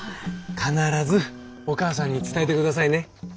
必ずお母さんに伝えて下さいね。